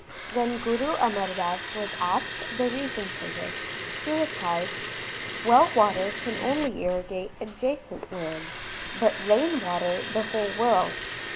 When Guru Amar Das was asked the reason for this, he replied : Well water can only irrigate adjacent land, but rain water the whole world.